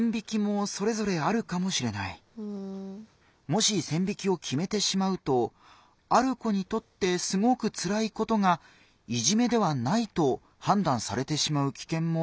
もし線引きを決めてしまうとある子にとってすごくつらいことがいじめではないと判断されてしまう危険もありますからね。